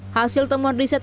hasil temuan diselenggarakan